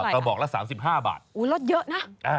กระบอกละ๓๕บาทลดเยอะนะ